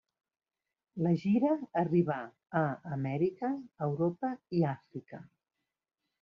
La gira arribà a Amèrica, Europa i Àfrica.